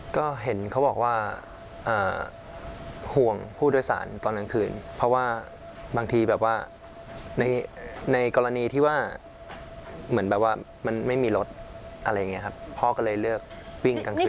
ก็เห็นเขาบอกว่าห่วงผู้โดยสารตอนกลางคืนเพราะว่าบางทีแบบว่าในกรณีที่ว่าเหมือนแบบว่ามันไม่มีรถอะไรอย่างนี้ครับพ่อก็เลยเลือกวิ่งกลางคืน